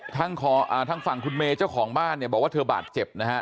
ทางฝั่งคุณเมย์เจ้าของบ้านเนี่ยบอกว่าเธอบาดเจ็บนะฮะ